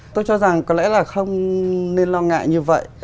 tôi cho rằng có lẽ là không nên lo ngại như vậy